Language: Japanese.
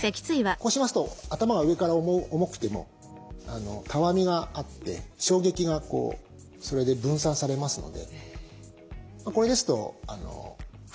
こうしますと頭が上から重くてもたわみがあって衝撃がそれで分散されますのでこれですと負担が少ないわけなんですね。